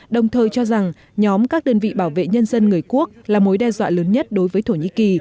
đồng thời cho rằng nhóm các đơn vị bảo vệ nhân dân người quốc là mối đe dọa lớn nhất đối với thổ nhĩ kỳ